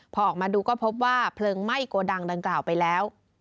พอออกมาดูก็พบว่าเพลิงไหม้โกดังดังกล่าวไปแล้ว